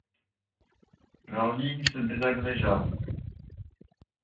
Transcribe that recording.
Leur ligne se désagrégea.